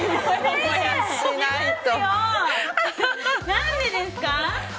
何でですか！